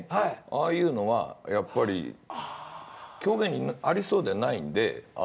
ああいうのはやっぱり狂言にありそうでないんで。